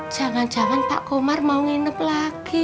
jangan jangan pak komar mau nginep lagi